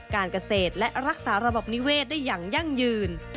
การเกษตรและรักษาระบบนิเวศได้อย่างยั่งยืน